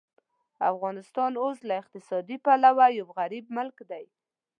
افغانستان اوس له اقتصادي پلوه یو غریب ملک دی.